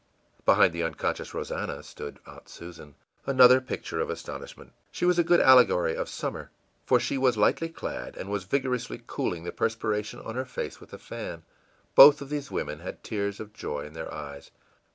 Behind the unconscious Rosannah stood ìAunt Susan,î another picture of astonishment. She was a good allegory of summer, for she was lightly clad, and was vigorously cooling the perspiration on her face with a fan. Both of these women had tears of joy in their eyes.